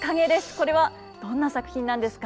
これはどんな作品なんですか？